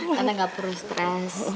tante gak perlu stress